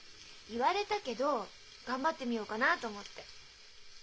言われたけど頑張ってみようかなあと思って。